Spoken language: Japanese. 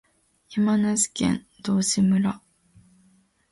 山梨県道志村